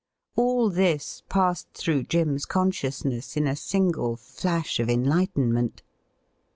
All this passed through Jim's consciousness in a single flash of enlightenment.